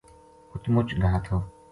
اُت مُچ گھا تھو